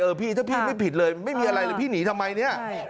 พี่ถ้าพี่ไม่ผิดเลยไม่มีอะไรเลยพี่หนีทำไมเนี่ย